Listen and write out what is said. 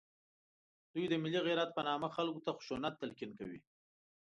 دوی د ملي غیرت په نامه خلکو ته خشونت تلقین کوي